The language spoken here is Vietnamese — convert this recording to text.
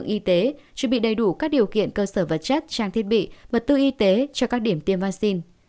y tế chuẩn bị đầy đủ các điều kiện cơ sở vật chất trang thiết bị vật tư y tế cho các điểm tiêm vaccine